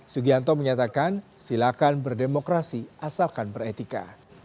sugianto menyatakan silakan berdemokrasi asalkan beretika